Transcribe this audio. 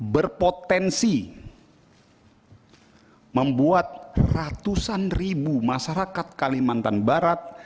berpotensi membuat ratusan ribu masyarakat kalimantan barat